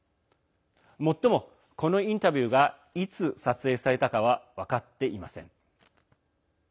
もっとも、このインタビューがいつ撮影されたかは分かっていません。